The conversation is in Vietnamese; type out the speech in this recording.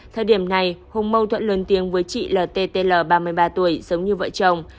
thời điểm này hùng mâu thuận lươn tiếng với chị lttl ba mươi ba tuổi sống như vợ chồng